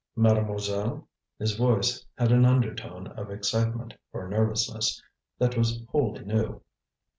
"Mademoiselle?" His voice had an undertone of excitement or nervousness that was wholly new.